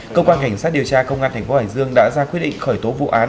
cơ quan cảnh sát điều tra công an thành phố hải dương đã ra quyết định khởi tố vụ án